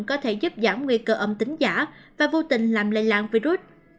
có thể giúp giảm nguy cơ âm tính giả và vô tình làm lây lan virus